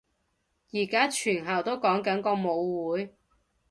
而家全校都講緊個舞會